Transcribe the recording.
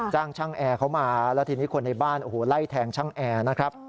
จ้างช่างแอร์เขามาแล้วทีนี้คนในบ้านโอ้โหไล่แทงช่างแอร์นะครับ